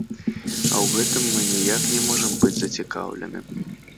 А ў гэтым мы ніяк не можам быць зацікаўлены.